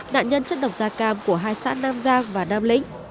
nạn nhân chất độc da cam của hai xã nam giang và nam lĩnh